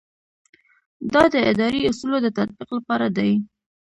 دا د اداري اصولو د تطبیق لپاره دی.